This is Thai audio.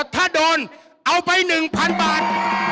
ถ้าโดนเอาไปหนึ่งพันบาท